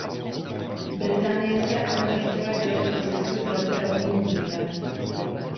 Británie se ale nechtěla dělit o zisky z ropy rovným dílem.